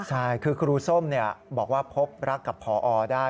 ใช่คือครูส้มบอกว่าพบรักกับพอได้